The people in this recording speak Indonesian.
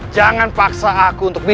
dan kau pasti akan mati